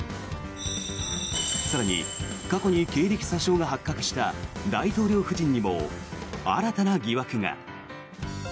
更に、過去に経歴詐称が発覚した大統領夫人にも新たな疑惑が。